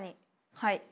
はい。